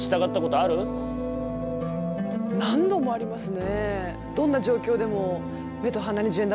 何度もありますね。